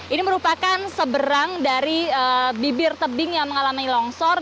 ini merupakan seberang dari bibir tebing yang mengalami longsor